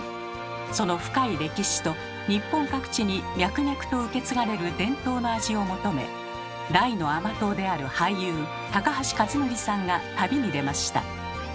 その深い歴史と日本各地に脈々と受け継がれる伝統の味を求め大の甘党である俳優高橋克典さんが旅に出ました。